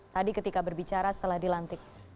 tadi ketika berbicara setelah dilantik